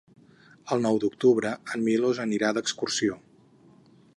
El nou d'octubre en Milos anirà d'excursió.